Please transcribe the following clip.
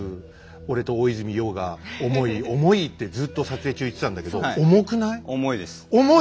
俺と大泉洋が重い重いってずっと撮影中言ってたんだけど重くない？